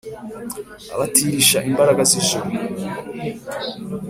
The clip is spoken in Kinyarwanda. Abatirish' imbaraga z'ijuru.